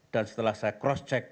dan setelah saya cross check